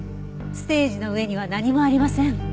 ステージの上には何もありません。